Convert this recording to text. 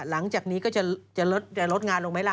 หลังจากนี้ก็จะลดงานลงไหมล่ะ